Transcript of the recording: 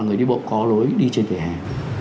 người đi bộ có lối đi trên vỉa hè